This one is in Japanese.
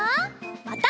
また。